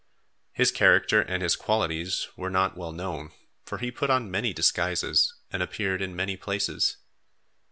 His character and his qualities were not well known, for he put on many disguises and appeared in many places.